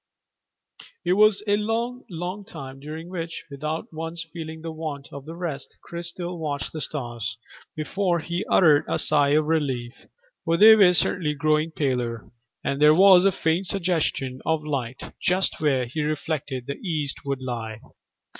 It was a long, long time, during which, without once feeling the want of rest, Chris still watched the stars, before he uttered a sigh of relief, for they were certainly growing paler and there was a faint suggestion of light just where, he reflected, the east would lie.